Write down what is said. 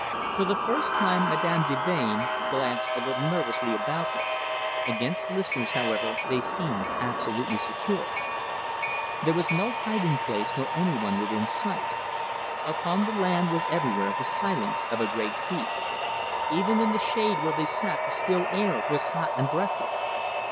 For the first time, Madame de Melbain glanced a little nervously about her. Against listeners, however, they seemed absolutely secure. There was no hiding place, nor any one within sight. Upon the land was everywhere the silence of a great heat. Even in the shade where they sat the still air was hot and breathless.